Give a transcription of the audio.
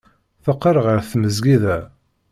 Teqqel ɣer tmesgida.